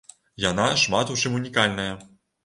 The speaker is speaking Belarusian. Яна шмат у чым унікальная.